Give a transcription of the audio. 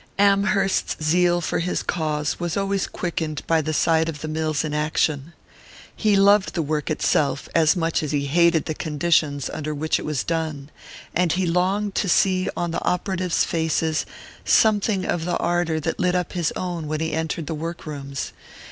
Amherst's zeal for his cause was always quickened by the sight of the mills in action. He loved the work itself as much as he hated the conditions under which it was done; and he longed to see on the operatives' faces something of the ardour that lit up his own when he entered the work rooms.